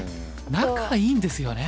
仲いいんですよね。